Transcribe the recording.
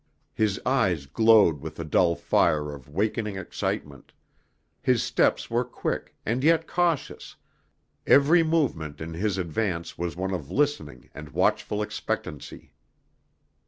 His eyes glowed with the dull fire of wakening excitement; his steps were quick, and yet cautious, every movement in his advance was one of listening and watchful expectancy.